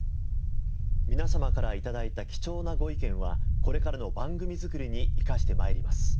皆様から頂いた貴重なご意見はこれからの番組作りに生かして参ります。